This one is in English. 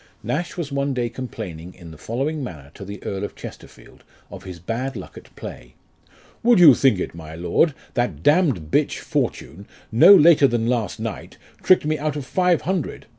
1 Nash was one day complaining in the following manner to the Earl of Chesterfield, of his bad luck at play. " Would you think it, my lord, that damned bitch fortune, no later than last night, tricked me out of five hundred.